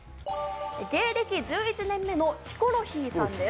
芸歴１１年目のヒコロヒーさんです。